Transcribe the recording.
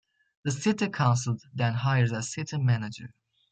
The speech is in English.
The city council then hires a city manager.